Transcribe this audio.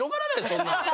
そんなん。